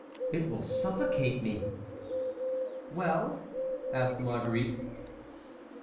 It will suffocate me." "Well?" asked Marguerite.